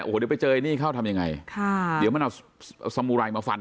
โอ้โหเดี๋ยวไปเจอไอ้นี่เข้าทำยังไงค่ะเดี๋ยวมันเอาสมุไรมาฟัน